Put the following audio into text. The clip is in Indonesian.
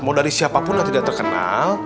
mau dari siapapun yang tidak terkenal